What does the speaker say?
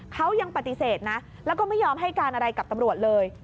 เขายังปฏิเสธนะแล้วก็ไม่ยอมให้การอะไรกับตำรวจเลย